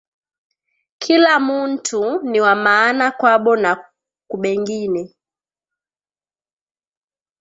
Kila muntu niwa maana kwabo na kubengine